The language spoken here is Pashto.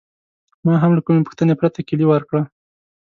ما هم له کومې پوښتنې پرته کیلي ورکړه.